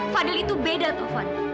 fadil itu beda taufan